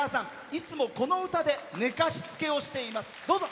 いつもこの歌で寝かしつけをしています。